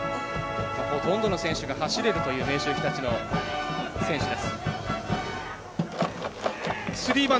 ほとんどの選手が走れるという明秀日立の選手です。